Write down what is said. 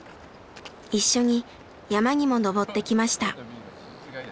一緒に山にも登ってきました。